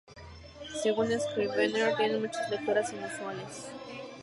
Según Scrivener tiene muchas lecturas inusuales.